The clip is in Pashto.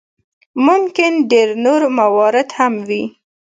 ممکن ډېر نور موارد هم وي.